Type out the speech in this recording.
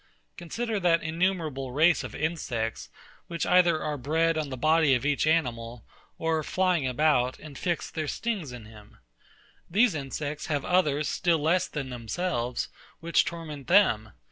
Consider that innumerable race of insects, which either are bred on the body of each animal, or, flying about, infix their stings in him. These insects have others still less than themselves, which torment them.